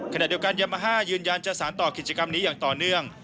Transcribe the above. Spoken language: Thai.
ขณะเดียวกันยามาฮ่ายืนยันจะสารต่อกิจกรรมนี้อย่างต่อเนื่อง